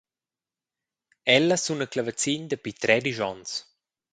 Ella suna clavazin dapi tredisch onns.